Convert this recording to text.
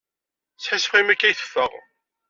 Sḥissifeɣ imi akka i teffeɣ.